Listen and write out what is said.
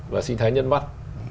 và sinh thái nhân vật